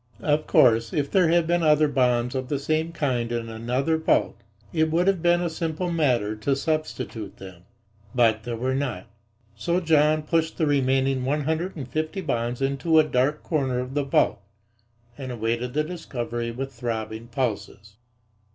Of course, if there had been other bonds of the same kind in another vault it would have been a simple matter to substitute them. But there were not. So John pushed the remaining one hundred and fifty bonds into a dark corner of the vault and awaited the discovery with throbbing pulses.